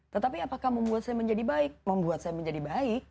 tetapi apakah membuat saya menjadi baik membuat saya menjadi baik